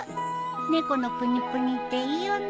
猫のプニプニっていいよね。